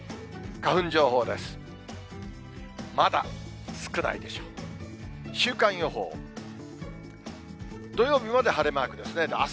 花粉情報です。